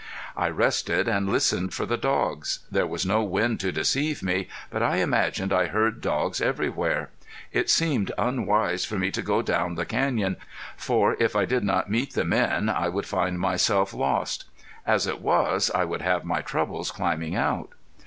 I rested and listened for the dogs. There was no wind to deceive me, but I imagined I heard dogs everywhere. It seemed unwise for me to go on down the canyon, for if I did not meet the men I would find myself lost. As it was I would have my troubles climbing out.